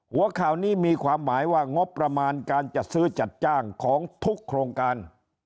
หัวข่าวนี้มีความหมายว่างบประมาณการจัดซื้อจัดจ้างของทุกโครงการ